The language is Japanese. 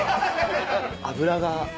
脂が。